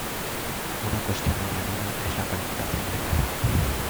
Una cuestión añadida es la calificación de guerra.